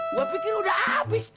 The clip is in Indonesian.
gua pikir udah abis